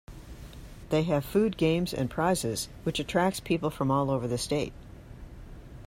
They have food, games, and prizes, which attracts people from all over the state.